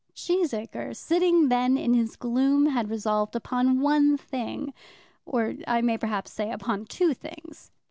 Cheesacre sitting then in his gloom, had resolved upon one thing, or, I may perhaps say, upon two things.